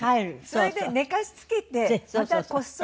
それで寝かしつけてまたこっそり１人で。